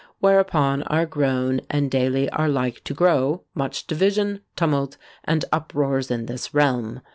whereupon are grown, and daily are like to grow, much division, tumult, and uproars in this realm.